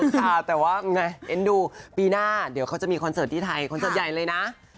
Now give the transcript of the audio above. ค่ะแต่ว่าไงเอ็นดูปีหน้าเดี๋ยวเขาจะมีคอนเสิร์ตที่ไทยคอนเสิร์ตใหญ่เลยนะ